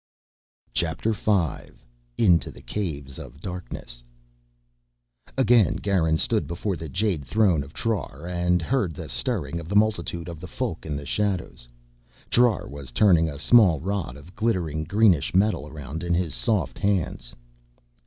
CHAPTER FIVE Into the Caves of Darkness Again Garin stood before the jade throne of Trar and heard the stirring of the multitude of the Folk in the shadows. Trar was turning a small rod of glittering, greenish metal around in his soft hands.